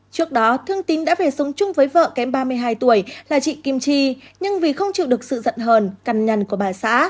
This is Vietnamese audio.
trước đó thương tín đã về sống chung với vợ kém ba mươi hai tuổi là chị kim chi nhưng vì không chịu được sự giận hờn cằn nhằn của bà xã